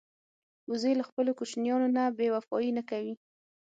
وزې له خپلو کوچنیانو نه بېوفايي نه کوي